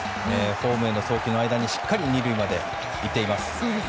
ホームへの送球の間にしっかり２塁まで行っています。